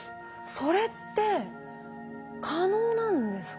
それって可能なんですか？